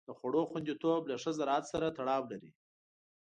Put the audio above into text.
د خوړو خوندیتوب له ښه زراعت سره تړاو لري.